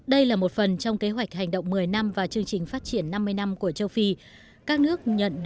đây là một phần trong kế hoạch hành động một mươi năm và chương trình phát triển năm mươi năm của châu phi